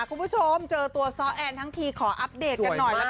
คุณผู้ชมเห็นตัวซัลแอนขออัปเดตกันหน่อย